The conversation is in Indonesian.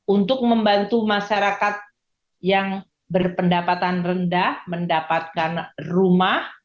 untuk membantu masyarakat yang berpendapatan rendah mendapatkan rumah